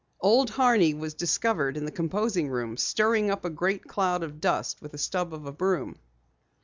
Old Horney was discovered in the composing room, stirring up a great cloud of dust with a stub of a broom.